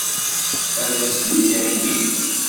Ad as-ten-id-theggim?